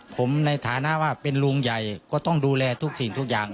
ผมในฐานะว่าเป็นลุงใหญ่ก็ต้องดูแลทุกสิ่งทุกอย่าง